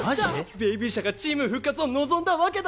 ベイビー社がチーム復活を望んだわけだ。